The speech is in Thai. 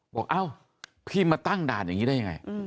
เอ้าพี่มาตั้งด่านอย่างนี้ได้ยังไง